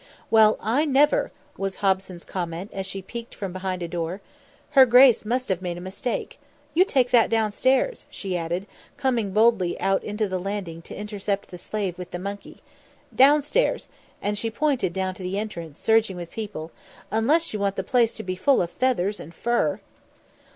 "Well, I never!" was Hobson's comment as she peeked from behind a door. "Her grace must have made a mistake. You take that downstairs," she added, coming boldly out onto the landing to intercept the slave with the monkey. "Downstairs," and she pointed down to the entrance, surging with people, "unless you want the place to be full of feathers and fur!"